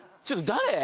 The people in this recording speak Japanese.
ちょっと誰？